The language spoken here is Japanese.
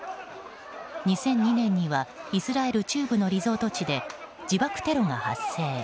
２００２年にはイスラエル中部のリゾート地で自爆テロが発生。